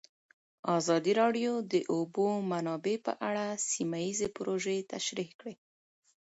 ازادي راډیو د د اوبو منابع په اړه سیمه ییزې پروژې تشریح کړې.